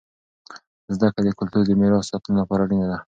زده کړه د کلتور د میراث د ساتنې لپاره اړینه دی.